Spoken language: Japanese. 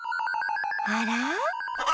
あら？